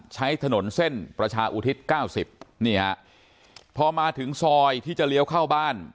ใช้ถนนเส้นประชาอุทิศ๙๐นี่ฮะพอมาถึงซอยที่จะเลี้ยวเข้าบ้าน